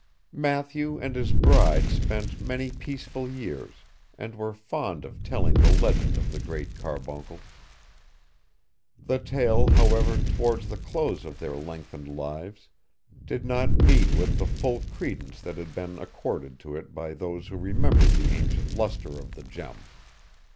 Matthew and his bride spent many peaceful years, and were fond of telling the legend of the Great Carbuncle. The tale, however, towards the close of their lengthened lives, did not meet with the full credence that had been accorded to it by those who remembered the ancient lustre of the gem.